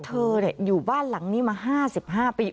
เธอเนี่ยอยู่บ้านหลังนี้มา๕๕ปี